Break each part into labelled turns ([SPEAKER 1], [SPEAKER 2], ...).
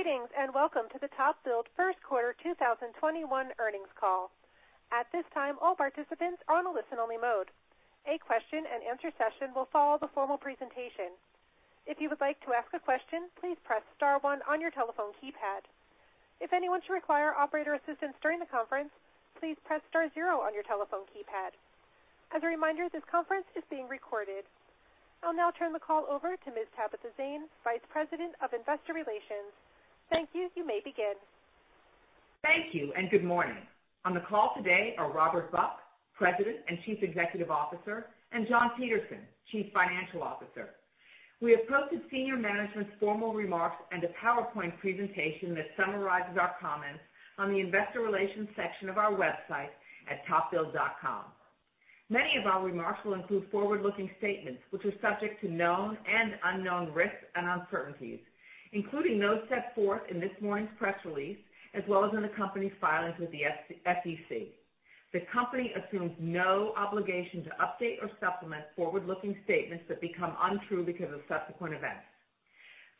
[SPEAKER 1] Greetings, and welcome to the TopBuild first quarter 2021 earnings call. At this time, all participants are on a listen-only mode. A question and answer session will follow the formal presentation. If you would like to ask a question, please press star one on your telephone keypad. If anyone should require operator assistance during the conference, please press star zero on your telephone keypad. As a reminder, this conference is being recorded. I'll now turn the call over to Ms. Tabitha Zane, Vice President of Investor Relations. Thank you. You may begin.
[SPEAKER 2] Thank you, and good morning. On the call today are Robert Buck, President and Chief Executive Officer, and John Peterson, Chief Financial Officer. We have posted senior management's formal remarks and a PowerPoint presentation that summarizes our comments on the investor relations section of our website at topbuild.com. Many of our remarks will include forward-looking statements, which are subject to known and unknown risks and uncertainties, including those set forth in this morning's press release, as well as in the company's filings with the SEC. The company assumes no obligation to update or supplement forward-looking statements that become untrue because of subsequent events.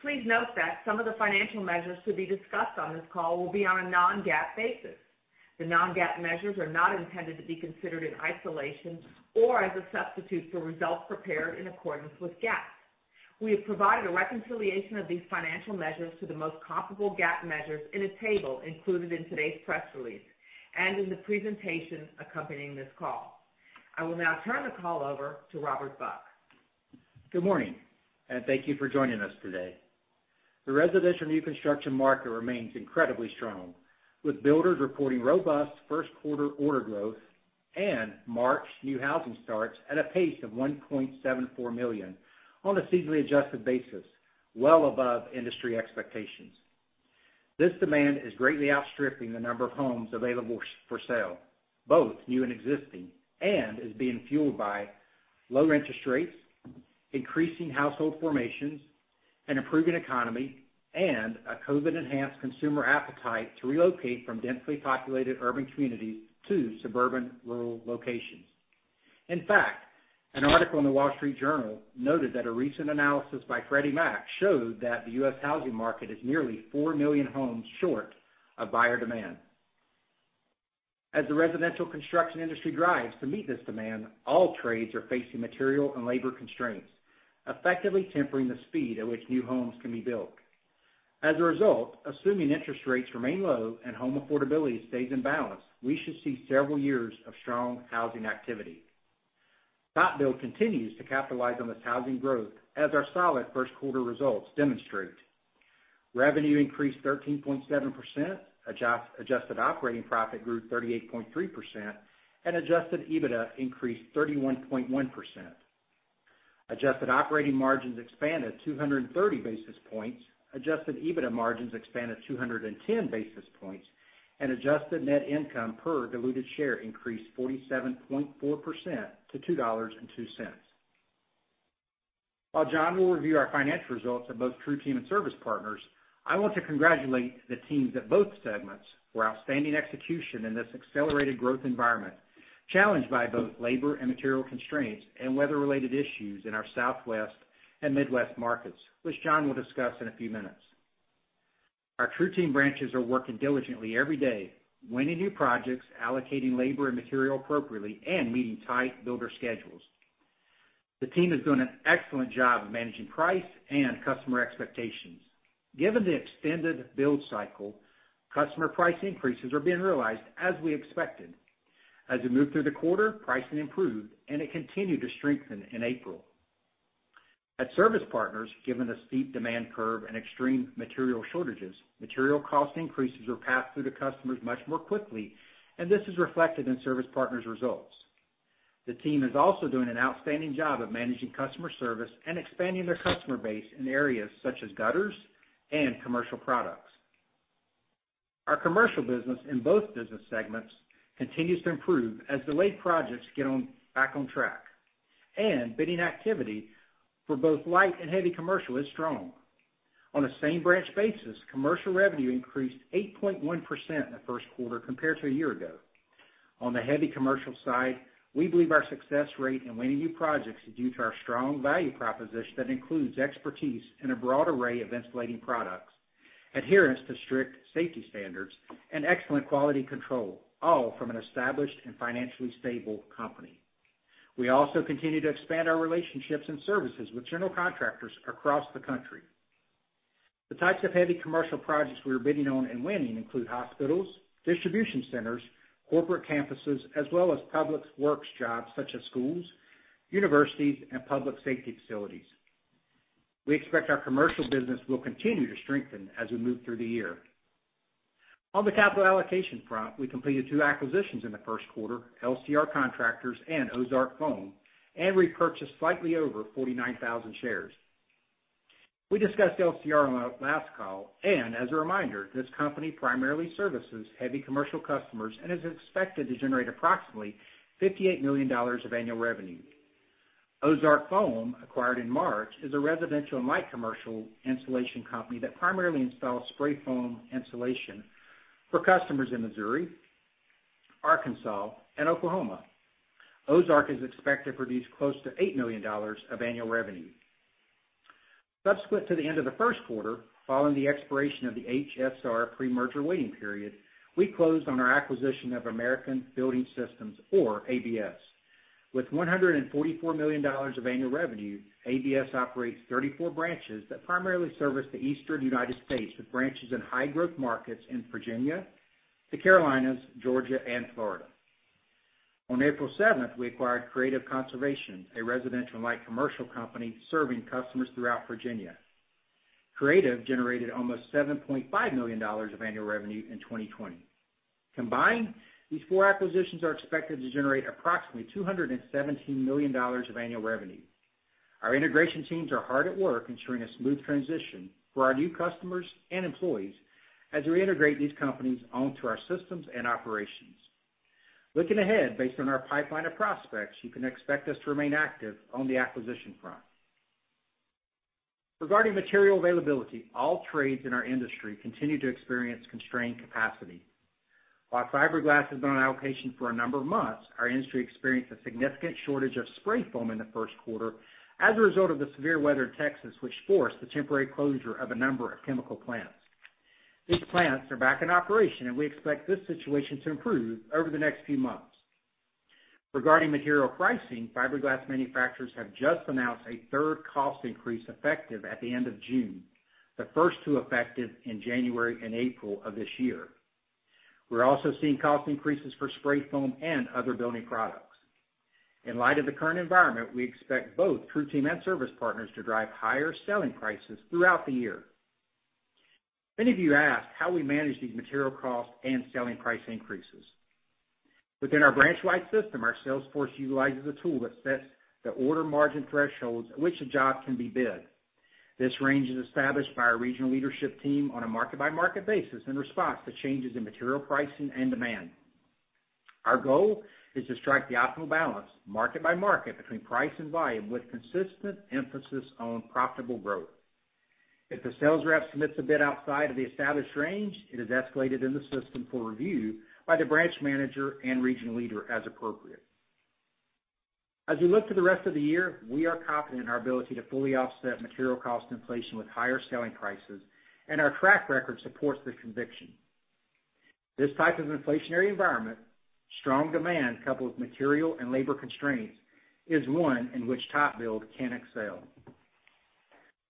[SPEAKER 2] Please note that some of the financial measures to be discussed on this call will be on a non-GAAP basis. The non-GAAP measures are not intended to be considered in isolation or as a substitute for results prepared in accordance with GAAP. We have provided a reconciliation of these financial measures to the most comparable GAAP measures in a table included in today's press release and in the presentation accompanying this call. I will now turn the call over to Robert Buck.
[SPEAKER 3] Good morning, and thank you for joining us today. The residential new construction market remains incredibly strong, with builders reporting robust first quarter order growth and March new housing starts at a pace of 1.74 million on a seasonally adjusted basis, well above industry expectations. This demand is greatly outstripping the number of homes available for sale, both new and existing, and is being fueled by low interest rates, increasing household formations, an improving economy, and a COVID-enhanced consumer appetite to relocate from densely populated urban communities to suburban rural locations. In fact, an article in The Wall Street Journal noted that a recent analysis by Freddie Mac showed that the U.S. housing market is nearly 4 million homes short of buyer demand. As the residential construction industry drives to meet this demand, all trades are facing material and labor constraints, effectively tempering the speed at which new homes can be built. As a result, assuming interest rates remain low and home affordability stays in balance, we should see several years of strong housing activity. TopBuild continues to capitalize on this housing growth as our solid first quarter results demonstrate. Revenue increased 13.7%, adjusted operating profit grew 38.3%, and adjusted EBITDA increased 31.1%. Adjusted operating margins expanded 230 basis points, adjusted EBITDA margins expanded 210 basis points, and adjusted net income per diluted share increased 47.4% to $2.02. While John will review our financial results at both TruTeam and Service Partners, I want to congratulate the teams at both segments for outstanding execution in this accelerated growth environment, challenged by both labor and material constraints and weather-related issues in our Southwest and Midwest markets, which John will discuss in a few minutes. Our TruTeam branches are working diligently every day, winning new projects, allocating labor and material appropriately, and meeting tight builder schedules. The team has done an excellent job of managing price and customer expectations. Given the extended build cycle, customer price increases are being realized as we expected. As we moved through the quarter, pricing improved, and it continued to strengthen in April. At Service Partners, given the steep demand curve and extreme material shortages, material cost increases were passed through to customers much more quickly, and this is reflected in Service Partners' results. The team is also doing an outstanding job of managing customer service and expanding their customer base in areas such as gutters and commercial products. Our commercial business in both business segments continues to improve as delayed projects get back on track, and bidding activity for both light and heavy commercial is strong. On a same branch basis, commercial revenue increased 8.1% in the first quarter compared to a year ago. On the heavy commercial side, we believe our success rate in winning new projects is due to our strong value proposition that includes expertise in a broad array of insulating products, adherence to strict safety standards, and excellent quality control, all from an established and financially stable company. We also continue to expand our relationships and services with general contractors across the country. The types of heavy commercial projects we are bidding on and winning include hospitals, distribution centers, corporate campuses, as well as public works jobs such as schools, universities, and public safety facilities. We expect our commercial business will continue to strengthen as we move through the year. On the capital allocation front, we completed two acquisitions in the first quarter, LCR Contractors and Ozark Foam, and repurchased slightly over 49,000 shares. We discussed LCR on our last call, and as a reminder, this company primarily services heavy commercial customers and is expected to generate approximately $58 million of annual revenue. Ozark Foam, acquired in March, is a residential and light commercial insulation company that primarily installs spray foam insulation for customers in Missouri, Arkansas, and Oklahoma. Ozark is expected to produce close to $8 million of annual revenue. Subsequent to the end of the first quarter, following the expiration of the HSR pre-merger waiting period, we closed on our acquisition of American Building Systems, or ABS. With $144 million of annual revenue, ABS operates 34 branches that primarily service the Eastern United States, with branches in high growth markets in Virginia, the Carolinas, Georgia, and Florida. On April seventh, we acquired Creative Conservation, a residential and light commercial company serving customers throughout Virginia. Creative generated almost $7.5 million of annual revenue in 2020. Combined, these four acquisitions are expected to generate approximately $217 million of annual revenue. Our integration teams are hard at work ensuring a smooth transition for our new customers and employees as we integrate these companies onto our systems and operations. Looking ahead, based on our pipeline of prospects, you can expect us to remain active on the acquisition front. Regarding material availability, all trades in our industry continue to experience constrained capacity. While fiberglass has been on allocation for a number of months, our industry experienced a significant shortage of spray foam in the first quarter as a result of the severe weather in Texas, which forced the temporary closure of a number of chemical plants. These plants are back in operation, and we expect this situation to improve over the next few months. Regarding material pricing, fiberglass manufacturers have just announced a third cost increase effective at the end of June, the first two effective in January and April of this year. We're also seeing cost increases for spray foam and other building products. In light of the current environment, we expect both TruTeam and Service Partners to drive higher selling prices throughout the year. Many of you ask how we manage these material costs and selling price increases. Within our branch-wide system, our sales force utilizes a tool that sets the order margin thresholds at which a job can be bid. This range is established by our regional leadership team on a market-by-market basis in response to changes in material pricing and demand. Our goal is to strike the optimal balance, market by market, between price and volume, with consistent emphasis on profitable growth. If a sales rep submits a bid outside of the established range, it is escalated in the system for review by the branch manager and regional leader as appropriate. As we look to the rest of the year, we are confident in our ability to fully offset material cost inflation with higher selling prices, and our track record supports this conviction. This type of inflationary environment, strong demand coupled with material and labor constraints, is one in which TopBuild can excel.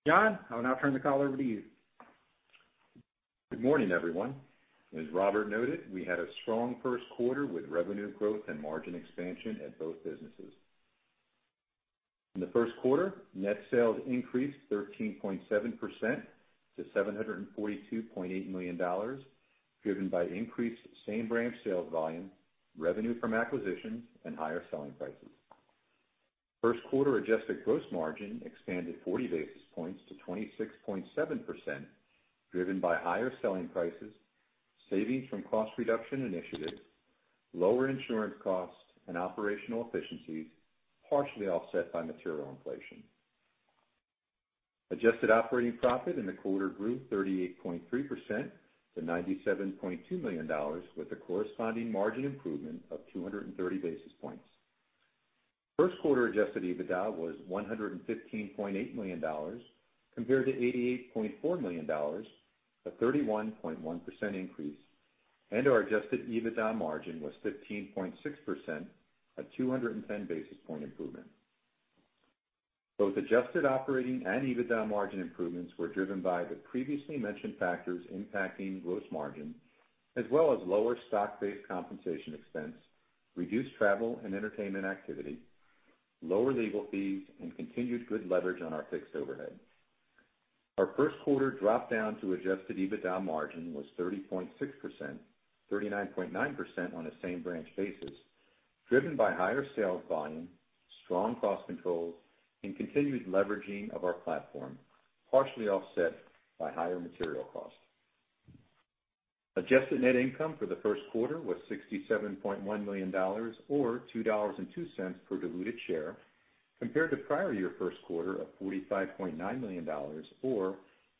[SPEAKER 3] John, I will now turn the call over to you.
[SPEAKER 4] Good morning, everyone. As Robert noted, we had a strong first quarter with revenue growth and margin expansion at both businesses. In the first quarter, net sales increased 13.7% to $742.8 million, driven by increased same branch sales volume, revenue from acquisitions, and higher selling prices. First quarter adjusted gross margin expanded 40 basis points to 26.7%, driven by higher selling prices, savings from cost reduction initiatives, lower insurance costs, and operational efficiencies, partially offset by material inflation. Adjusted operating profit in the quarter grew 38.3% to $97.2 million, with a corresponding margin improvement of 230 basis points. First quarter adjusted EBITDA was $115.8 million, compared to $88.4 million, a 31.1% increase, and our adjusted EBITDA margin was 15.6%, a 210 basis point improvement. Both adjusted operating and EBITDA margin improvements were driven by the previously mentioned factors impacting gross margin, as well as lower stock-based compensation expense, reduced travel and entertainment activity, lower legal fees, and continued good leverage on our fixed overhead. Our first quarter drop down to adjusted EBITDA margin was 30.6%, 39.9% on a same branch basis, driven by higher sales volume, strong cost controls, and continued leveraging of our platform, partially offset by higher material costs. Adjusted net income for the first quarter was $67.1 million, or $2.02 per diluted share, compared to prior year first quarter of $45.9 million, or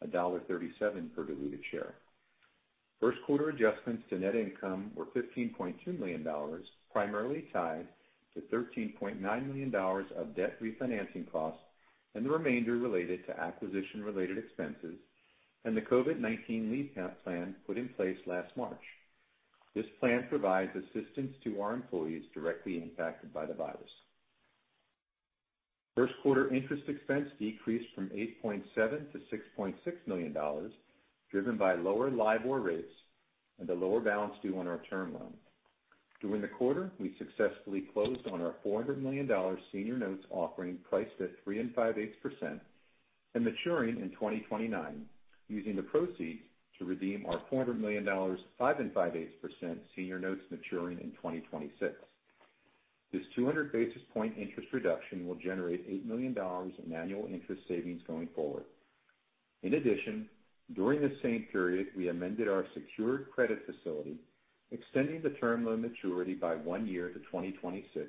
[SPEAKER 4] $1.37 per diluted share. First quarter adjustments to net income were $15.2 million, primarily tied to $13.9 million of debt refinancing costs, and the remainder related to acquisition-related expenses and the COVID-19 leave plan put in place last March. This plan provides assistance to our employees directly impacted by the virus. First quarter interest expense decreased from $8.7 million-$6.6 million, driven by lower LIBOR rates and a lower balance due on our term loan. During the quarter, we successfully closed on our $400 million senior notes offering, priced at 3 5/8% and maturing in 2029, using the proceeds to redeem our $400 million, 5 5/8% senior notes maturing in 2026. This 200 basis points interest reduction will generate $8 million in annual interest savings going forward. In addition, during the same period, we amended our secured credit facility, extending the term loan maturity by one year to 2026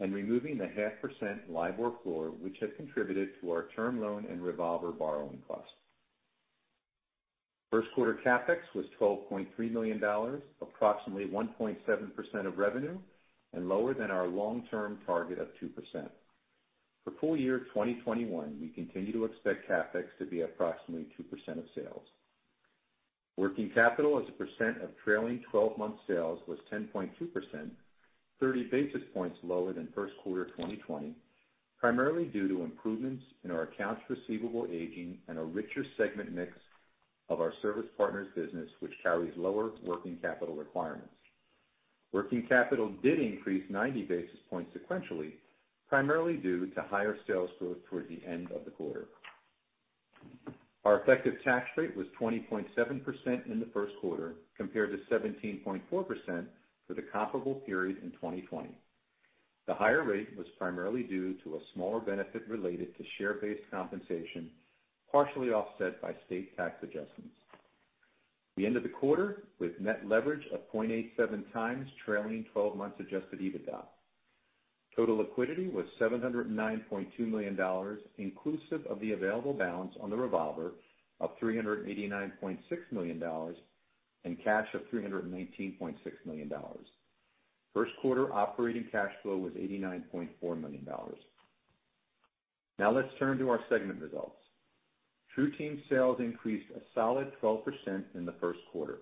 [SPEAKER 4] and removing the 0.5% LIBOR floor, which had contributed to our term loan and revolver borrowing costs. First quarter CapEx was $12.3 million, approximately 1.7% of revenue and lower than our long-term target of 2%. For full year 2021, we continue to expect CapEx to be approximately 2% of sales. Working capital as a percent of trailing twelve-month sales was 10.2%, 30 basis points lower than first quarter 2020, primarily due to improvements in our accounts receivable aging and a richer segment mix of our Service Partners business, which carries lower working capital requirements. Working capital did increase 90 basis points sequentially, primarily due to higher sales growth toward the end of the quarter. Our effective tax rate was 20.7% in the first quarter, compared to 17.4% for the comparable period in 2020. The higher rate was primarily due to a smaller benefit related to share-based compensation, partially offset by state tax adjustments. We ended the quarter with net leverage of 0.87 times trailing twelve months Adjusted EBITDA. Total liquidity was $709.2 million, inclusive of the available balance on the revolver of $389.6 million and cash of $319.6 million. First quarter operating cash flow was $89.4 million. Now, let's turn to our segment results. TruTeam sales increased a solid 12% in the first quarter.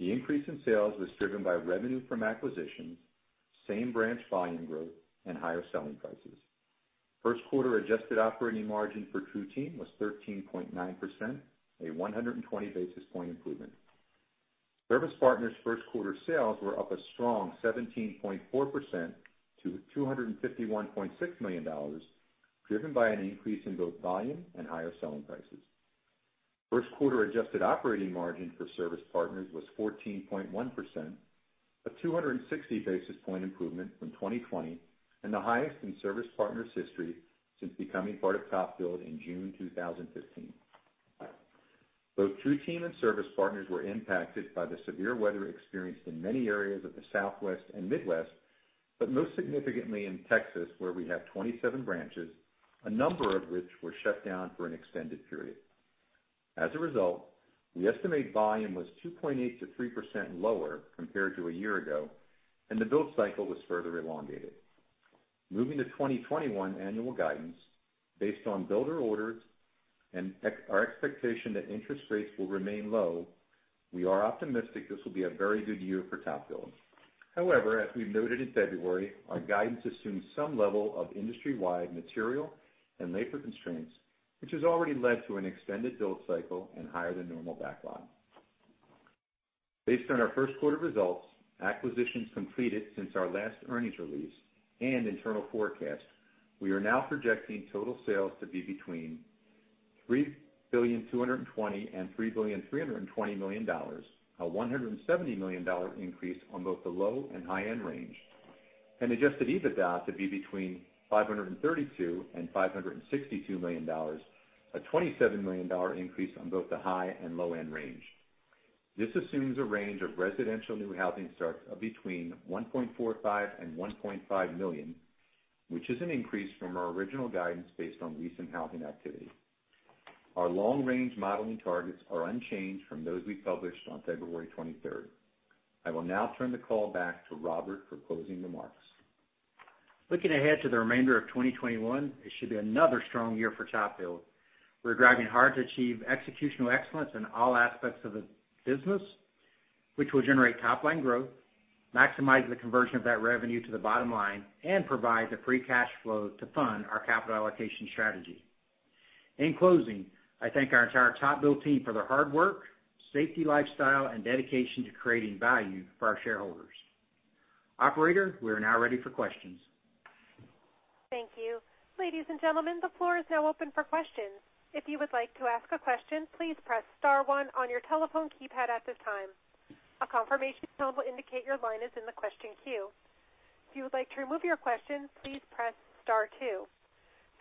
[SPEAKER 4] The increase in sales was driven by revenue from acquisitions, same branch volume growth, and higher selling prices. First quarter adjusted operating margin for TruTeam was 13.9%, a 120 basis point improvement. Service Partners' first quarter sales were up a strong 17.4% to $251.6 million, driven by an increase in both volume and higher selling prices. First quarter adjusted operating margin for Service Partners was 14.1%, a 260 basis point improvement from 2020, and the highest in Service Partners' history since becoming part of TopBuild in June 2015. Both TruTeam and Service Partners were impacted by the severe weather experienced in many areas of the Southwest and Midwest, but most significantly in Texas, where we have 27 branches, a number of which were shut down for an extended period. As a result, we estimate volume was 2.8% to 3% lower compared to a year ago, and the build cycle was further elongated. Moving to 2021 annual guidance, based on builder orders and our expectation that interest rates will remain low, we are optimistic this will be a very good year for TopBuild. However, as we noted in February, our guidance assumes some level of industry-wide material and labor constraints, which has already led to an extended build cycle and higher than normal backlog. Based on our first quarter results, acquisitions completed since our last earnings release and internal forecast, we are now projecting total sales to be between $3.22 billion and $3.32 billion, a $170 million increase on both the low and high-end range, and adjusted EBITDA to be between $532 million and $562 million, a $27 million increase on both the high and low-end range. This assumes a range of residential new housing starts of between 1.45 million and 1.5 million, which is an increase from our original guidance based on recent housing activity. Our long-range modeling targets are unchanged from those we published on February twenty-third. I will now turn the call back to Robert for closing remarks.
[SPEAKER 3] Looking ahead to the remainder of 2021, it should be another strong year for TopBuild. We're driving hard to achieve executional excellence in all aspects of the business, which will generate top-line growth, maximize the conversion of that revenue to the bottom line, and provide the free cash flow to fund our capital allocation strategy. In closing, I thank our entire TopBuild team for their hard work, safety lifestyle, and dedication to creating value for our shareholders. Operator, we are now ready for questions.
[SPEAKER 1] Thank you. Ladies and gentlemen, the floor is now open for questions. If you would like to ask a question, please press star one on your telephone keypad at this time. A confirmation tone will indicate your line is in the question queue. If you would like to remove your question, please press star two.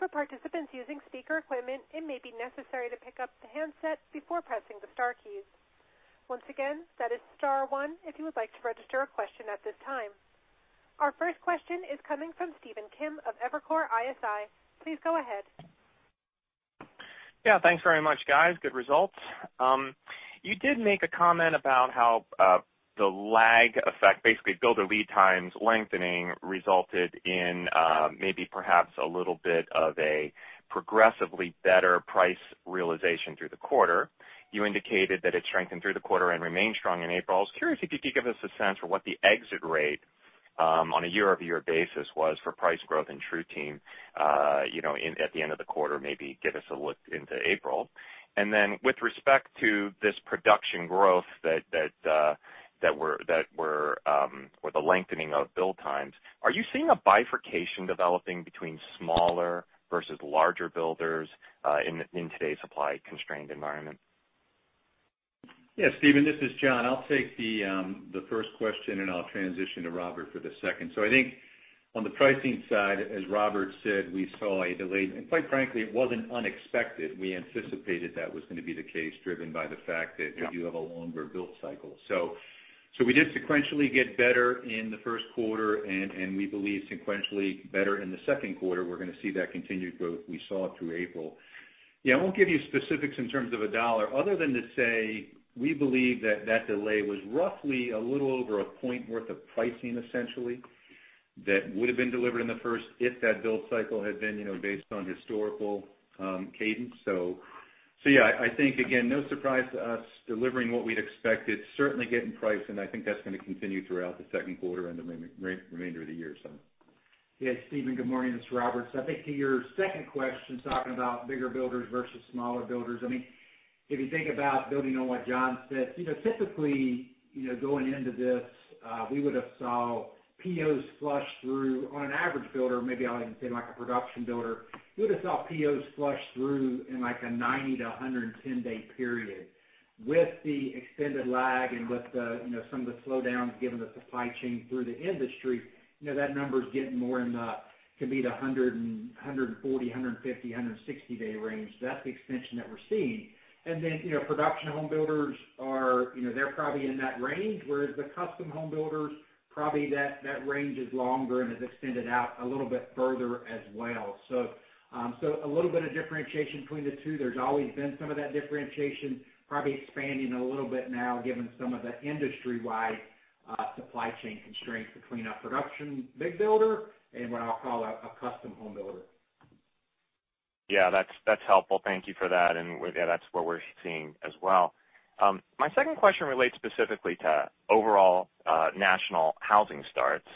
[SPEAKER 1] For participants using speaker equipment, it may be necessary to pick up the handset before pressing the star keys. Once again, that is star one if you would like to register a question at this time. Our first question is coming from Stephen Kim of Evercore ISI. Please go ahead.
[SPEAKER 5] Yeah, thanks very much, guys. Good results. You did make a comment about how, the lag effect, basically builder lead times lengthening, resulted in, maybe perhaps a little bit of a progressively better price realization through the quarter. You indicated that it strengthened through the quarter and remained strong in April. I was curious if you could give us a sense for what the exit rate, on a year-over-year basis was for price growth in TruTeam, you know, at the end of the quarter, maybe give us a look into April. And then with respect to this production growth or the lengthening of build times, are you seeing a bifurcation developing between smaller versus larger builders, in today's supply-constrained environment?
[SPEAKER 4] Yes, Stephen, this is John. I'll take the first question, and I'll transition to Robert for the second. So I think on the pricing side, as Robert said, we saw a delayed, and quite frankly, it wasn't unexpected. We anticipated that was going to be the case, driven by the fact that-
[SPEAKER 5] Yeah
[SPEAKER 4] You do have a longer build cycle. So we did sequentially get better in the first quarter, and we believe sequentially better in the second quarter. We're going to see that continued growth we saw through April. Yeah, I won't give you specifics in terms of a dollar, other than to say, we believe that that delay was roughly a little over a point worth of pricing, essentially, that would have been delivered in the first if that build cycle had been, you know, based on historical cadence. So yeah, I think, again, no surprise to us delivering what we'd expected, certainly getting price, and I think that's going to continue throughout the second quarter and the remainder of the year, so.
[SPEAKER 3] Yeah, Stephen, good morning. This is Robert. I think to your second question, talking about bigger builders versus smaller builders, I mean, if you think about building on what John said, you know, typically, you know, going into this, we would have saw POs flush through on an average builder, maybe I'll even say like a production builder, we would have saw POs flush through in, like, a 90-110 day period. With the extended lag and with the, you know, some of the slowdowns, given the supply chain through the industry, you know, that number is getting more in the, could be the 140, 150, 160 day range. That's the extension that we're seeing. And then, you know, production home builders are, you know, they're probably in that range, whereas the custom home builders, probably that range is longer and is extended out a little bit further as well. So, so a little bit of differentiation between the two. There's always been some of that differentiation, probably expanding a little bit now, given some of the industry-wide supply chain constraints between a production big builder and what I'll call a custom home builder.
[SPEAKER 5] Yeah, that's, that's helpful. Thank you for that. And yeah, that's what we're seeing as well. My second question relates specifically to overall national housing starts.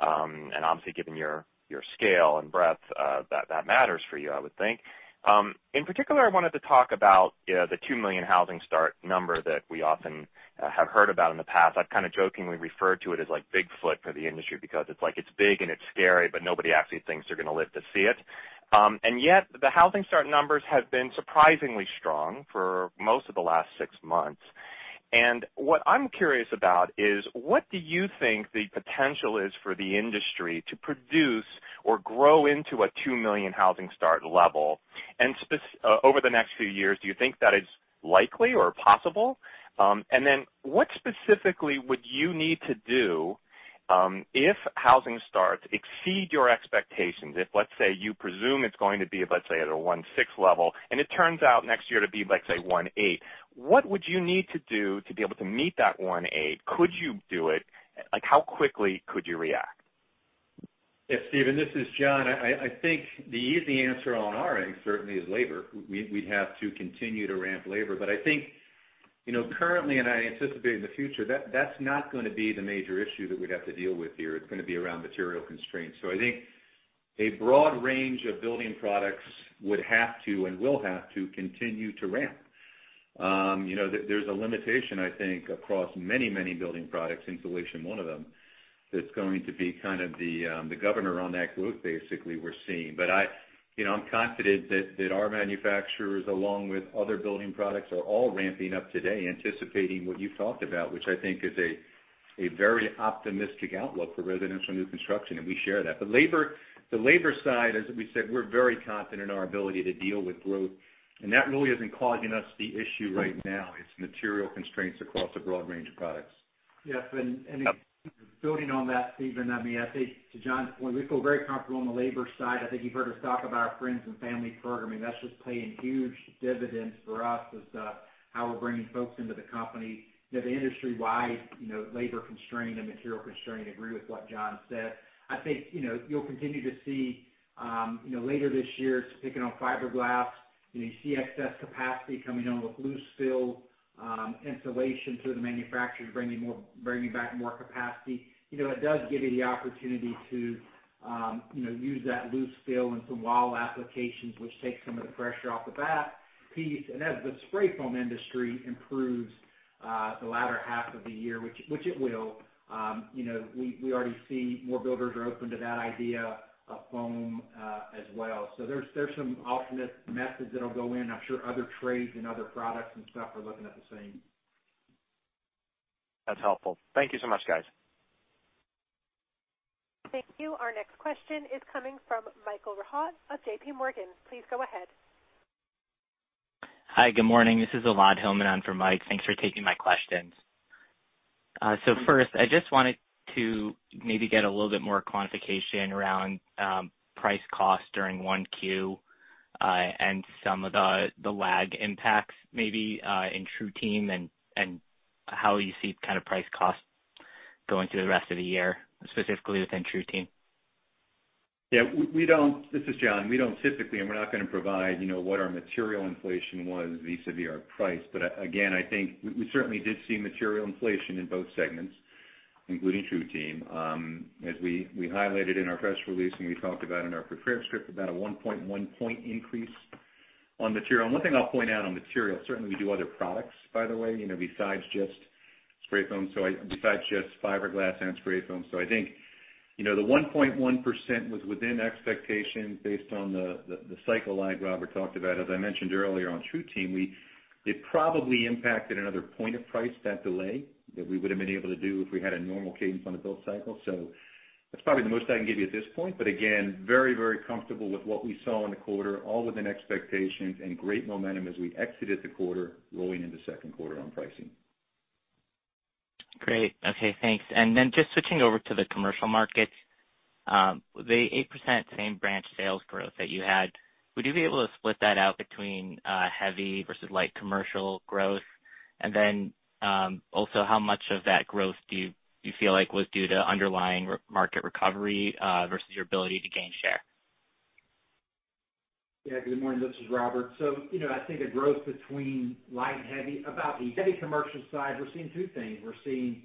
[SPEAKER 5] And obviously, given your, your scale and breadth, that, that matters for you, I would think. In particular, I wanted to talk about the two million housing start number that we often have heard about in the past. I've kind of jokingly referred to it as like Bigfoot for the industry, because it's like it's big and it's scary, but nobody actually thinks they're going to live to see it. And yet, the housing start numbers have been surprisingly strong for most of the last six months. And what I'm curious about is: What do you think the potential is for the industry to produce or grow into a two million housing start level? And specifically, over the next few years, do you think that is likely or possible? And then what specifically would you need to do, if housing starts exceed your expectations? If, let's say, you presume it's going to be, let's say, at a one six level, and it turns out next year to be, like, say, one eight, what would you need to do to be able to meet that one eight? Could you do it? Like, how quickly could you react?
[SPEAKER 4] Yeah, Stephen, this is John. I think the easy answer on our end certainly is labor. We'd have to continue to ramp labor. But I think, you know, currently, and I anticipate in the future, that's not going to be the major issue that we'd have to deal with here. It's going to be around material constraints. So I think a broad range of building products would have to and will have to continue to ramp. You know, there's a limitation, I think, across many, many building products, insulation one of them, that's going to be kind of the governor on that growth, basically, we're seeing. But I. You know, I'm confident that our manufacturers, along with other building products, are all ramping up today, anticipating what you talked about, which I think is a very optimistic outlook for residential new construction, and we share that. But labor, the labor side, as we said, we're very confident in our ability to deal with growth, and that really isn't causing us the issue right now. It's material constraints across a broad range of products.
[SPEAKER 3] Yes, and building on that, Stephen, I mean, I think to John's point, we feel very comfortable on the labor side. I think you've heard us talk about our friends and family program, and that's just paying huge dividends for us as how we're bringing folks into the company. You know, the industry-wide, you know, labor constraint and material constraint, agree with what John said. I think, you know, you'll continue to see, you know, later this year, speaking on fiberglass, you know, you see excess capacity coming on with loose fill insulation through the manufacturers, bringing back more capacity. You know, it does give you the opportunity to, you know, use that loose fill in some wall applications, which takes some of the pressure off the batt piece. And as the spray foam industry improves, the latter half of the year, which it will, you know, we already see more builders are open to that idea of foam, as well. So there's some optimistic methods that'll go in. I'm sure other trades and other products and stuff are looking at the same.
[SPEAKER 5] That's helpful. Thank you so much, guys.
[SPEAKER 1] Thank you. Our next question is coming from Michael Rehaut of JPMorgan. Please go ahead.
[SPEAKER 6] Hi, good morning. This is Elad Hillman in for Mike. Thanks for taking my questions. So first, I just wanted to maybe get a little bit more quantification around price cost during Q1, and some of the lag impacts maybe in TruTeam and how you see kind of price costs going through the rest of the year, specifically within TruTeam.
[SPEAKER 4] Yeah, we don't. This is John. We don't typically, and we're not going to provide, you know, what our material inflation was vis-a-vis our price. But again, I think we certainly did see material inflation in both segments, including TruTeam. As we highlighted in our press release, and we talked about in our prepared script, about a 1.1-point increase on material. And one thing I'll point out on material, certainly we do other products, by the way, you know, besides just spray foam, besides just fiberglass and spray foam. So I think, you know, the 1.1% was within expectation based on the cycle lag Robert talked about. As I mentioned earlier on TruTeam, it probably impacted another point of price, that delay, that we would have been able to do if we had a normal cadence on the build cycle. That's probably the most I can give you at this point. But again, very, very comfortable with what we saw in the quarter, all within expectations and great momentum as we exited the quarter, rolling into second quarter on pricing.
[SPEAKER 6] Great. Okay, thanks. Then just switching over to the commercial market, the 8% same branch sales growth that you had, would you be able to split that out between heavy versus light commercial growth? Then also, how much of that growth do you feel like was due to underlying market recovery versus your ability to gain share?
[SPEAKER 3] Yeah, good morning, this is Robert. So, you know, I think the growth between light and heavy, about the heavy commercial side, we're seeing two things. We're seeing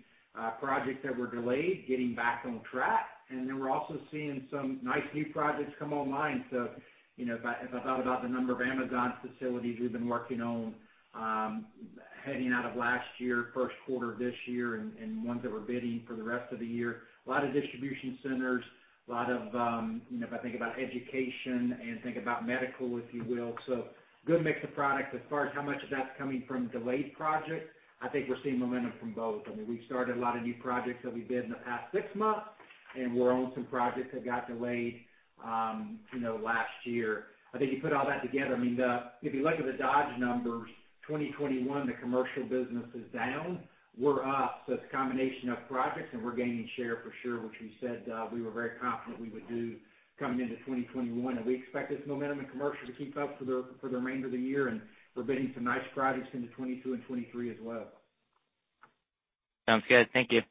[SPEAKER 3] projects that were delayed getting back on track, and then we're also seeing some nice new projects come online. So, you know, if I thought about the number of Amazon facilities we've been working on, heading out of last year, first quarter of this year, and ones that we're bidding for the rest of the year, a lot of distribution centers, a lot of, you know, if I think about education and think about medical, if you will, so good mix of products. As far as how much of that's coming from delayed projects, I think we're seeing momentum from both. I mean, we've started a lot of new projects that we bid in the past six months, and we're on some projects that got delayed, you know, last year. I think you put all that together, I mean, if you look at the Dodge numbers, 2021, the commercial business is down, we're up. So it's a combination of projects, and we're gaining share for sure, which we said, we were very confident we would do coming into 2021. And we expect this momentum in commercial to keep up for the remainder of the year, and we're bidding some nice projects into 2022 and 2023 as well.
[SPEAKER 6] Sounds good. Thank you.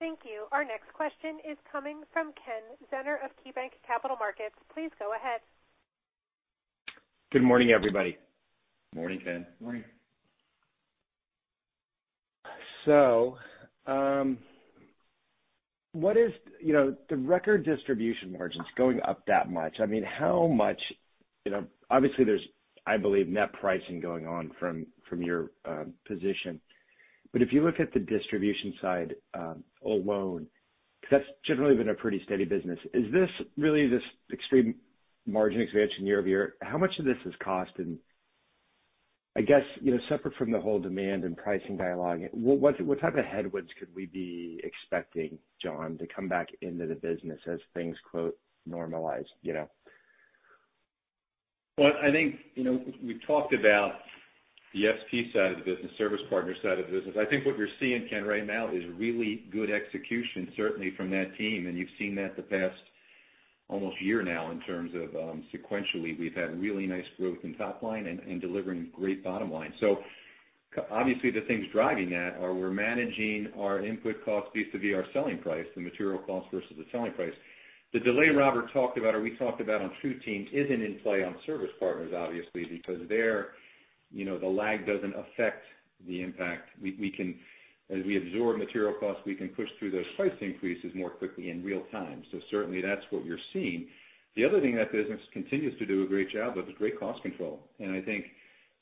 [SPEAKER 1] Thank you. Our next question is coming from Ken Zener of KeyBanc Capital Markets. Please go ahead.
[SPEAKER 7] Good morning, everybody.
[SPEAKER 4] Morning, Ken.
[SPEAKER 3] Morning.
[SPEAKER 7] So, what is. You know, the record distribution margins going up that much, I mean, how much? You know, obviously, there's, I believe, net pricing going on from your position. But if you look at the distribution side alone, because that's generally been a pretty steady business, is this really this extreme margin expansion year-over-year? How much of this is cost? And I guess, you know, separate from the whole demand and pricing dialogue, what type of headwinds could we be expecting, John, to come back into the business as things, quote, "normalize," you know?
[SPEAKER 4] I think, you know, we talked about the SP side of the business, Service Partners side of the business. I think what you're seeing, Ken, right now, is really good execution, certainly from that team. And you've seen that the past almost year now in terms of sequentially, we've had really nice growth in top line and delivering great bottom line. So, obviously, the things driving that are, we're managing our input costs vis-a-vis our selling price, the material costs versus the selling price. The delay Robert talked about or we talked about on TruTeam isn't in play on Service Partners, obviously, because there, you know, the lag doesn't affect the impact. We can—as we absorb material costs, we can push through those price increases more quickly in real time. So certainly, that's what we're seeing. The other thing that business continues to do a great job of is great cost control. I think,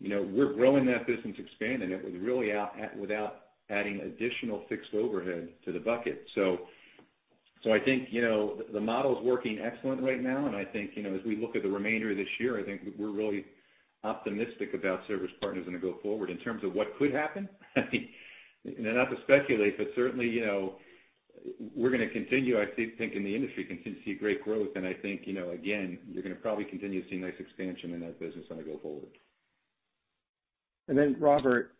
[SPEAKER 4] you know, we're growing that business, expanding it, with really without adding additional fixed overhead to the bucket. So I think, you know, the model's working excellent right now, and I think, you know, as we look at the remainder of this year, I think we're really optimistic about Service Partners going to go forward. In terms of what could happen, I mean, not to speculate, but certainly, you know, we're gonna continue, I think in the industry, continue to see great growth. I think, you know, again, you're gonna probably continue to see nice expansion in that business as we go forward.
[SPEAKER 7] Then, Robert,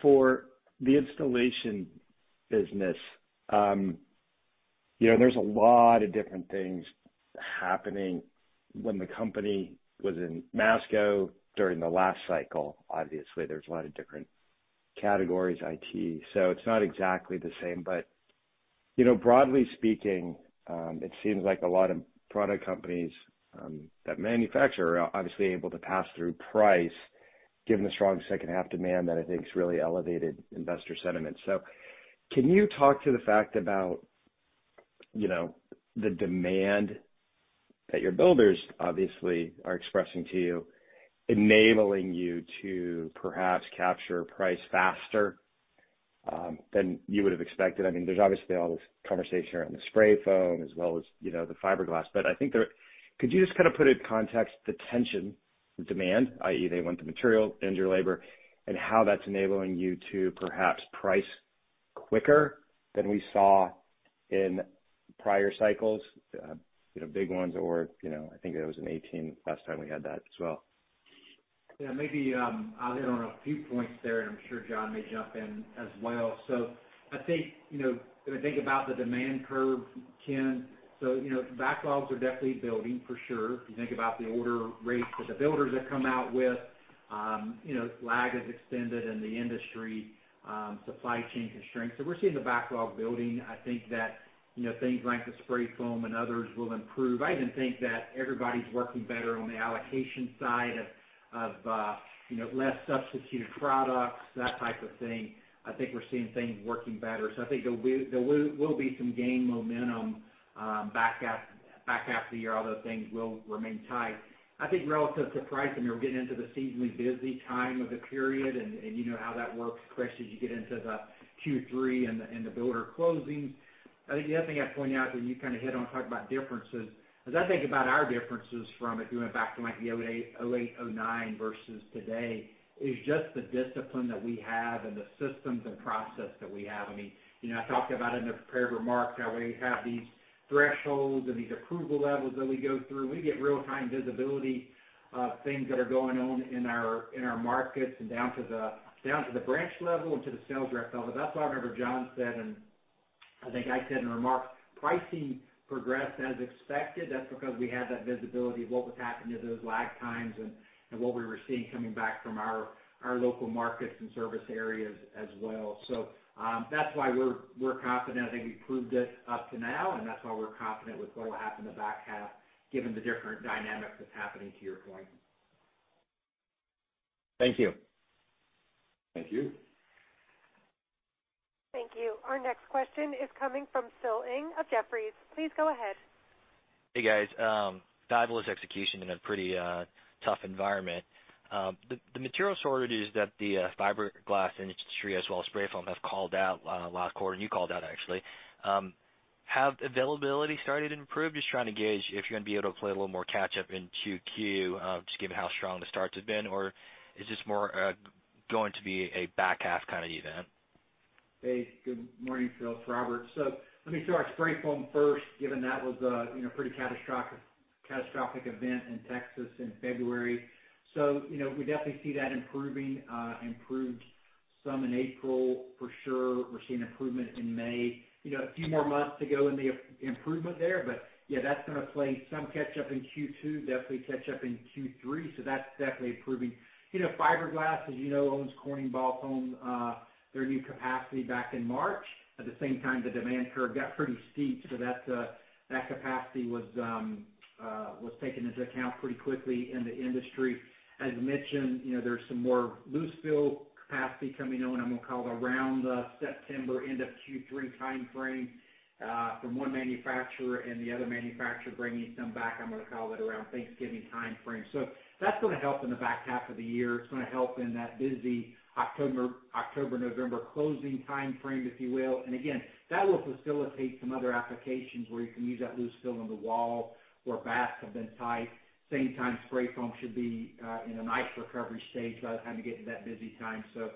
[SPEAKER 7] for the installation business, you know, there's a lot of different things happening. When the company was in Masco during the last cycle, obviously, there's a lot of different categories, right, so it's not exactly the same. You know, broadly speaking, it seems like a lot of product companies that manufacture are obviously able to pass through price, given the strong second half demand that I think has really elevated investor sentiment. Can you talk to the fact about, you know, the demand that your builders obviously are expressing to you, enabling you to perhaps capture price faster than you would have expected? I mean, there's obviously all this conversation around the spray foam as well as, you know, the fiberglass. Could you just kind of put in context the tension, demand, i.e., they want the material and your labor, and how that's enabling you to perhaps price quicker than we saw in prior cycles, you know, big ones or, you know, I think it was in 2018 last time we had that as well?
[SPEAKER 3] Yeah, maybe, I'll hit on a few points there, and I'm sure John may jump in as well. So I think, you know, when I think about the demand curve, Ken, so, you know, backlogs are definitely building for sure. If you think about the order rates that the builders have come out with, you know, lag has extended in the industry, supply chain constraints. So we're seeing the backlog building. I think that, you know, things like the spray foam and others will improve. I even think that everybody's working better on the allocation side of you know, less substituted products, that type of thing. I think we're seeing things working better. So I think there will be some gain momentum, back half of the year, although things will remain tight. I think relative to pricing, we're getting into the seasonally busy time of the period, and you know how that works, Chris, as you get into the Q3 and the builder closings. I think the other thing I'd point out, and you kind of hit on, talking about differences. As I think about our differences from it, going back to like, you know, 2008, 2009 versus today, is just the discipline that we have and the systems and process that we have. I mean, you know, I talked about it in the prepared remarks, how we have these thresholds and these approval levels that we go through. We get real-time visibility of things that are going on in our markets and down to the branch level and to the sales rep level. But that's why I remember John said, and I think I said in remarks, pricing progressed as expected. That's because we had that visibility of what was happening to those lag times and what we were seeing coming back from our local markets and service areas as well. So that's why we're confident. I think we've proved this up to now, and that's why we're confident with what will happen in the back half, given the different dynamics that's happening, to your point.
[SPEAKER 7] Thank you.
[SPEAKER 4] Thank you.
[SPEAKER 1] Thank you. Our next question is coming from Phil Ng of Jefferies. Please go ahead.
[SPEAKER 8] Hey, guys. Fabulous execution in a pretty tough environment. The material shortages that the fiberglass industry, as well as spray foam, have called out last quarter, and you called out, actually. Have availability started to improve? Just trying to gauge if you're going to be able to play a little more catch up in Q2, just given how strong the starts have been, or is this more going to be a back half kind of event?
[SPEAKER 3] Hey, good morning, Phil. It's Robert. So let me start spray foam first, given that was a, you know, pretty catastrophic event in Texas in February. So, you know, we definitely see that improving. Improved some in April for sure. We're seeing improvement in May. You know, a few more months to go in the improvement there, but yeah, that's going to play some catch up in Q2, definitely catch up in Q3, so that's definitely improving. You know, fiberglass, as you know, Owens Corning brought online their new capacity back in March. At the same time, the demand curve got pretty steep, so that capacity was taken into account pretty quickly in the industry. As mentioned, you know, there's some more loose fill capacity coming on. I'm going to call it around the September end of Q3 time frame, from one manufacturer and the other manufacturer bringing some back. I'm going to call it around Thanksgiving time frame. So that's going to help in the back half of the year. It's going to help in that busy October, October-November closing time frame, if you will. And again, that will facilitate some other applications where you can use that loose fill in the wall, where batts have been tight. Same time, spray foam should be in a nice recovery stage by the time you get to that busy time. So,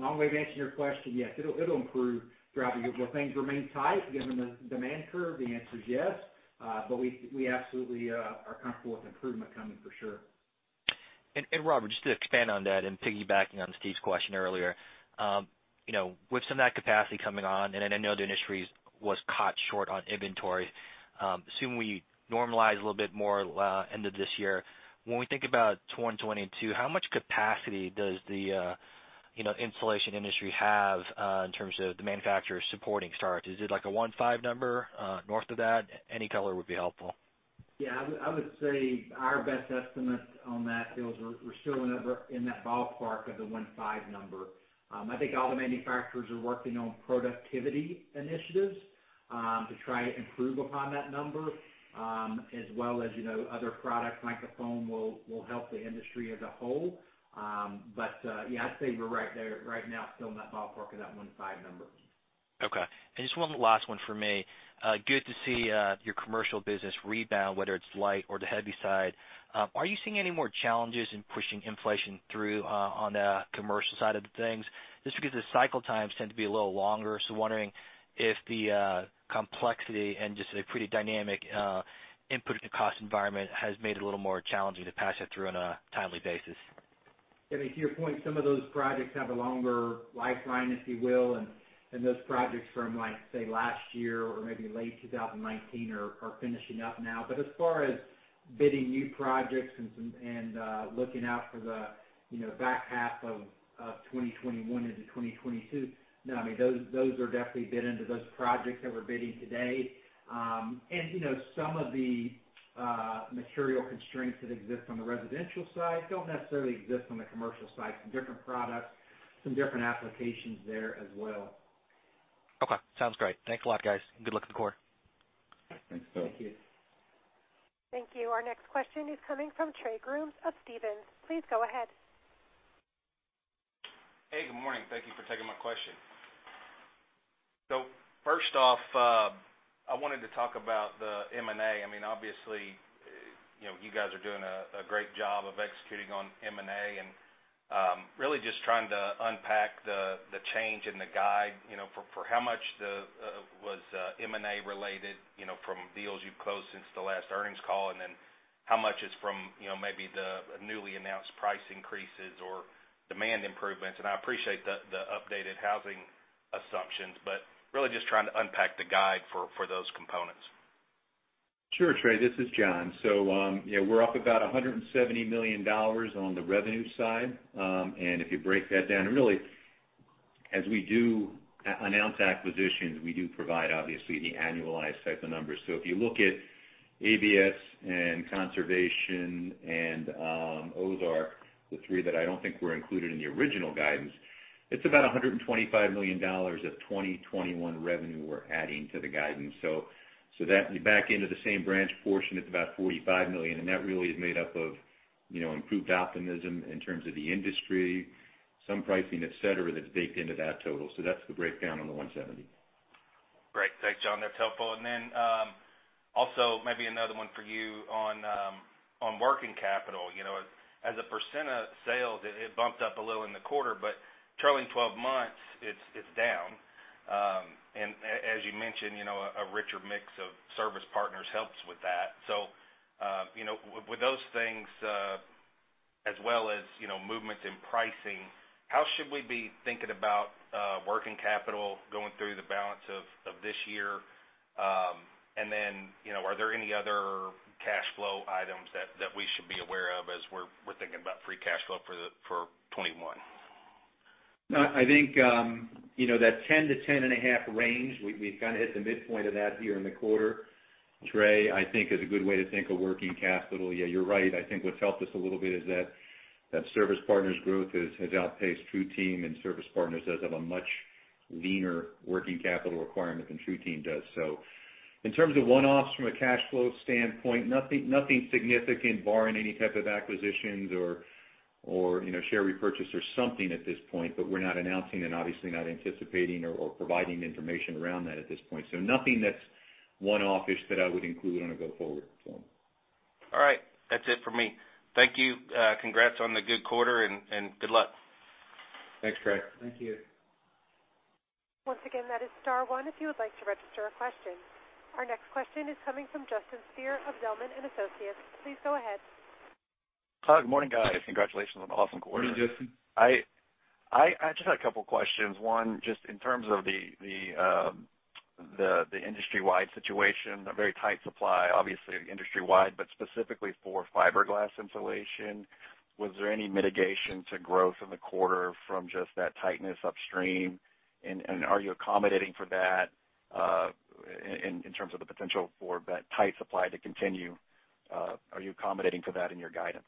[SPEAKER 3] long way to answer your question, yes, it'll, it'll improve throughout the year. Will things remain tight given the demand curve? The answer is yes. But we absolutely are comfortable with improvement coming, for sure.
[SPEAKER 8] Robert, just to expand on that and piggybacking on Steve's question earlier. You know, with some of that capacity coming on, and then I know the industry was caught short on inventory, assuming we normalize a little bit more, end of this year. When we think about 2022, how much capacity does the, you know, insulation industry have in terms of the manufacturers supporting starts? Is it like a one-five number north of that? Any color would be helpful.
[SPEAKER 3] Yeah, I would say our best estimate on that, Phil, is we're still in that ballpark of the one-five number. I think all the manufacturers are working on productivity initiatives to try to improve upon that number as well as, you know, other products like foam will help the industry as a whole. But yeah, I'd say we're right there, right now, still in that ballpark of that one-five number.
[SPEAKER 8] Okay. And just one last one for me. Good to see your commercial business rebound, whether it's light or the heavy side. Are you seeing any more challenges in pushing inflation through on the commercial side of the things? Just because the cycle times tend to be a little longer, so wondering if the complexity and just a pretty dynamic input and cost environment has made it a little more challenging to pass that through on a timely basis.
[SPEAKER 3] I mean, to your point, some of those projects have a longer lifeline, if you will, and those projects from, like, say, last year or maybe late 2019, are finishing up now. But as far as bidding new projects and some and looking out for the, you know, back half of 2021 into 2022, no, I mean, those are definitely bid into those projects that we're bidding today. And, you know, some of the material constraints that exist on the residential side don't necessarily exist on the commercial side. Some different products, some different applications there as well.
[SPEAKER 8] Okay, sounds great. Thanks a lot, guys. Good luck with the quarter.
[SPEAKER 4] Thanks, Phil.
[SPEAKER 3] Thank you.
[SPEAKER 1] Thank you. Our next question is coming from Trey Grooms of Stephens. Please go ahead.
[SPEAKER 9] Hey, good morning. Thank you for taking my question. So first off, I wanted to talk about the M&A. I mean, obviously, you know, you guys are doing a great job of executing on M&A, and really just trying to unpack the change in the guide, you know, for how much the was M&A related, you know, from deals you've closed since the last earnings call, and then how much is from, you know, maybe the newly announced price increases or demand improvements? And I appreciate the updated housing assumptions, but really just trying to unpack the guide for those components.
[SPEAKER 4] Sure, Trey, this is John. So, yeah, we're up about $170 million on the revenue side. And if you break that down, and really, as we do announce acquisitions, we do provide obviously the annualized type of numbers. So if you look at ABS and Conservation, and those are the three that I don't think were included in the original guidance. It's about $125 million of 2021 revenue we're adding to the guidance. So that you back into the same branch portion, it's about $45 million, and that really is made up of, you know, improved optimism in terms of the industry, some pricing, et cetera, that's baked into that total. So that's the breakdown on the $170 million.
[SPEAKER 9] Great. Thanks, John. That's helpful. And then, also maybe another one for you on, on working capital. You know, as a percent of sales, it bumped up a little in the quarter, but trailing twelve months, it's down. And as you mentioned, you know, a richer mix of Service Partners helps with that. So, you know, with those things, as well as, you know, movements in pricing, how should we be thinking about working capital going through the balance of this year? And then, you know, are there any other cash flow items that we should be aware of as we're thinking about free cash flow for the—for 2021?
[SPEAKER 4] No, I think, you know, that 10 to 10 and a half range, we've kind of hit the midpoint of that here in the quarter, Trey. I think is a good way to think of working capital. Yeah, you're right. I think what's helped us a little bit is that Service Partners growth has outpaced TruTeam, and Service Partners does have a much leaner working capital requirement than TruTeam does. So in terms of one-offs from a cash flow standpoint, nothing significant barring any type of acquisitions or, you know, share repurchase or something at this point, but we're not announcing and obviously not anticipating or providing information around that at this point. So nothing that's one-offish that I would include on a go-forward form.
[SPEAKER 9] All right. That's it for me. Thank you. Congrats on the good quarter and good luck.
[SPEAKER 4] Thanks, Trey.
[SPEAKER 3] Thank you.
[SPEAKER 1] Once again, that is star one, if you would like to register a question. Our next question is coming from Justin Speer of Zelman & Associates. Please go ahead.
[SPEAKER 10] Hi, good morning, guys. Congratulations on an awesome quarter.
[SPEAKER 4] Morning, Justin.
[SPEAKER 10] I just had a couple questions. One, just in terms of the industry-wide situation, a very tight supply, obviously industry-wide, but specifically for fiberglass insulation. Was there any mitigation to growth in the quarter from just that tightness upstream? And are you accommodating for that in terms of the potential for that tight supply to continue in your guidance?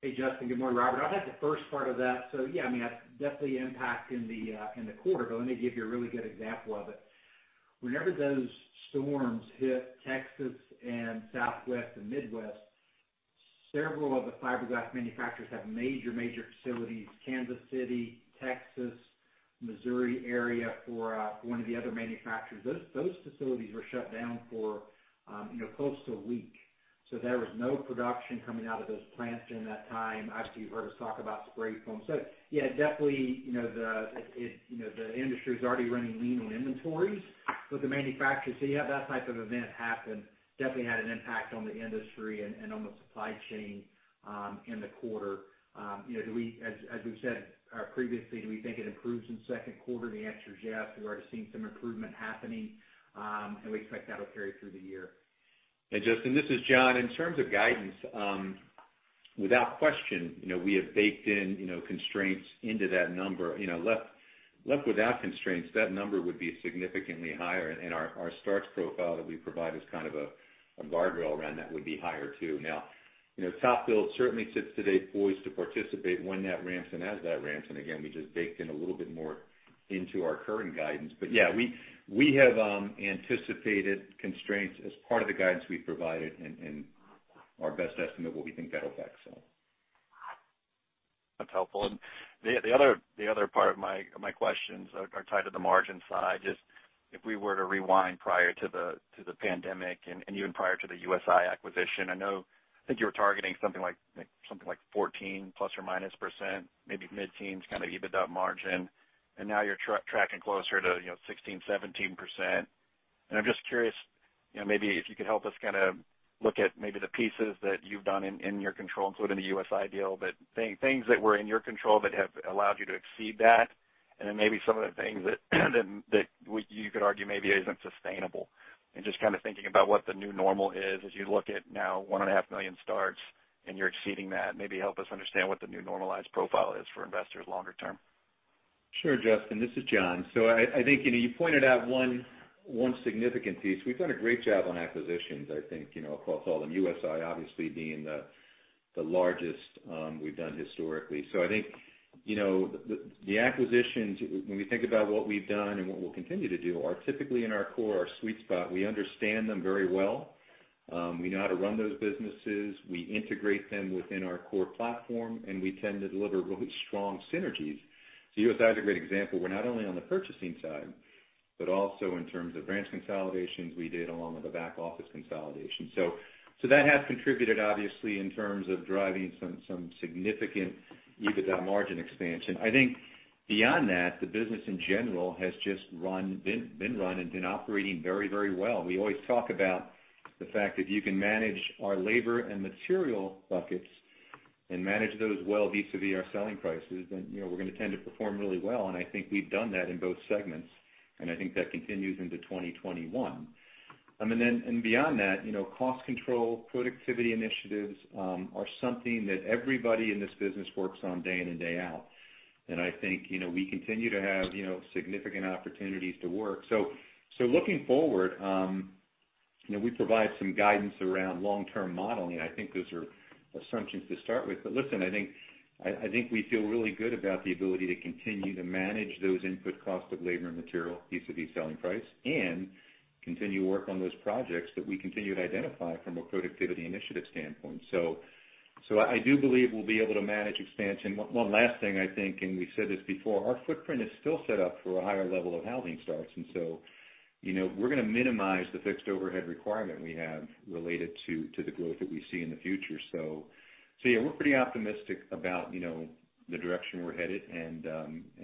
[SPEAKER 3] Hey, Justin, good morning, Robert. I'll take the first part of that. So yeah, I mean, that's definitely impact in the quarter, but let me give you a really good example of it. Whenever those storms hit Texas and Southwest and Midwest, several of the fiberglass manufacturers have major facilities, Kansas City, Texas, Missouri area, for one of the other manufacturers. Those facilities were shut down for, you know, close to a week. So there was no production coming out of those plants during that time, after you've heard us talk about spray foam. So yeah, definitely, you know, the industry is already running lean on inventories with the manufacturers. So yeah, that type of event happened, definitely had an impact on the industry and on the supply chain in the quarter. You know, as we've said previously, do we think it improves in second quarter? The answer is yes. We're already seeing some improvement happening, and we expect that'll carry through the year.
[SPEAKER 4] Hey, Justin, this is John. In terms of guidance, without question, you know, we have baked in, you know, constraints into that number. You know, left without constraints, that number would be significantly higher, and our starts profile that we provide is kind of a guardrail around that would be higher, too. Now, you know, TopBuild certainly sits today poised to participate when that ramps and as that ramps, and again, we just baked in a little bit more into our current guidance. But yeah, we have anticipated constraints as part of the guidance we've provided and our best estimate what we think that'll affect, so.
[SPEAKER 10] That's helpful. And the other part of my questions are tied to the margin side. Just if we were to rewind prior to the pandemic and even prior to the USI acquisition, I know I think you were targeting something like 14 plus or minus %, maybe mid-teens, kind of EBITDA margin, and now you're tracking closer to, you know, 16, 17%. And I'm just curious, you know, maybe if you could help us kind of look at maybe the pieces that you've done in your control, including the USI deal, but things that were in your control that have allowed you to exceed that, and then maybe some of the things that you could argue maybe isn't sustainable. Just kind of thinking about what the new normal is as you look at now one and a half million starts and you're exceeding that. Maybe help us understand what the new normalized profile is for investors longer term.
[SPEAKER 4] Sure, Justin, this is John. So I think, you know, you pointed out one significant piece. We've done a great job on acquisitions, I think, you know, across all of them, USI obviously being the largest we've done historically. So I think, you know, the acquisitions, when we think about what we've done and what we'll continue to do, are typically in our core, our sweet spot. We understand them very well. We know how to run those businesses, we integrate them within our core platform, and we tend to deliver really strong synergies. So USI is a great example. We're not only on the purchasing side, but also in terms of branch consolidations we did along with the back office consolidation. So that has contributed, obviously, in terms of driving some significant EBITDA margin expansion. I think beyond that, the business in general has just been run and been operating very, very well. We always talk about the fact if you can manage our labor and material buckets and manage those well vis-a-vis our selling prices, then, you know, we're gonna tend to perform really well. And I think we've done that in both segments, and I think that continues into 2021. And then, and beyond that, you know, cost control, productivity initiatives, are something that everybody in this business works on day in and day out. And I think, you know, we continue to have, you know, significant opportunities to work. So looking forward, you know, we provide some guidance around long-term modeling, and I think those are assumptions to start with. But listen, I think we feel really good about the ability to continue to manage those input costs of labor and material vis-a-vis selling price, and continue to work on those projects that we continue to identify from a productivity initiative standpoint. So I do believe we'll be able to manage expansion. One last thing, I think, and we said this before, our footprint is still set up for a higher level of housing starts, and so, you know, we're gonna minimize the fixed overhead requirement we have related to the growth that we see in the future. So yeah, we're pretty optimistic about, you know, the direction we're headed and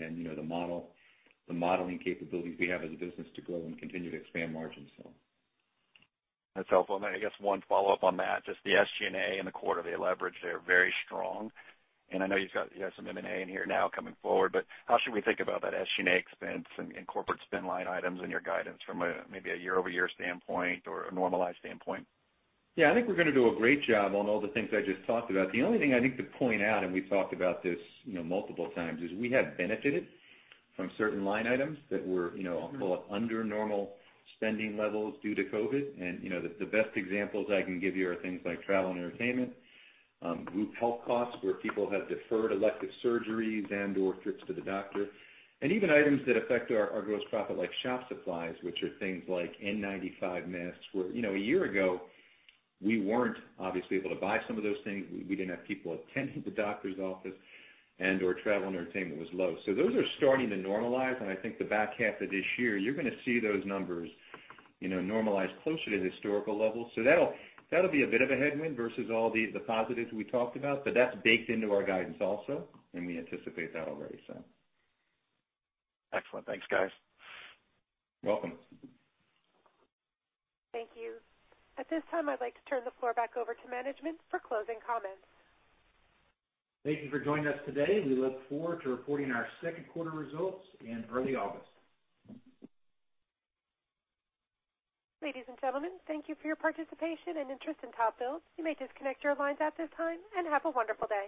[SPEAKER 4] and you know, the modeling capabilities we have as a business to grow and continue to expand margins, so.
[SPEAKER 10] That's helpful. And I guess one follow-up on that, just the SG&A in the quarter, the leverage there, very strong. And I know you have some M&A in here now coming forward, but how should we think about that SG&A expense and corporate spend line items in your guidance from a, maybe a year-over-year standpoint or a normalized standpoint?
[SPEAKER 4] Yeah, I think we're gonna do a great job on all the things I just talked about. The only thing I think to point out, and we've talked about this, you know, multiple times, is we have benefited from certain line items that were, you know, I'll call it, under normal spending levels due to COVID. And, you know, the best examples I can give you are things like travel and entertainment, group health costs, where people have deferred elective surgeries and/or trips to the doctor, and even items that affect our gross profit, like shop supplies, which are things like N95 masks, where, you know, a year ago, we weren't obviously able to buy some of those things. We didn't have people attending the doctor's office, and/or travel and entertainment was low. So those are starting to normalize, and I think the back half of this year, you're gonna see those numbers, you know, normalize closer to the historical levels. So that'll, that'll be a bit of a headwind versus all the positives we talked about, but that's baked into our guidance also, and we anticipate that already, so.
[SPEAKER 10] Excellent. Thanks, guys.
[SPEAKER 4] You're welcome.
[SPEAKER 1] Thank you. At this time, I'd like to turn the floor back over to management for closing comments.
[SPEAKER 3] Thank you for joining us today. We look forward to reporting our second quarter results in early August.
[SPEAKER 1] Ladies and gentlemen, thank you for your participation and interest in TopBuild. You may disconnect your lines at this time, and have a wonderful day.